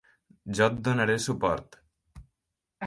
Jo et donaré suport.